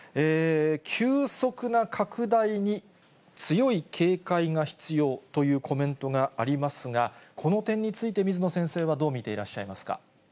急速な拡大に強い警戒が必要というコメントがありますが、この点について、水野先生はどう見ていらっしゃいますか。